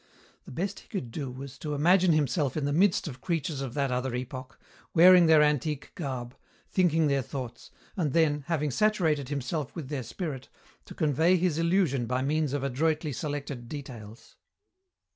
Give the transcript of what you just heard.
The best he could do was to imagine himself in the midst of creatures of that other epoch, wearing their antique garb, thinking their thoughts, and then, having saturated himself with their spirit, to convey his illusion by means of adroitly selected details.